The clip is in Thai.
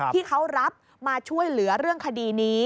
ที่เขารับมาช่วยเหลือเรื่องคดีนี้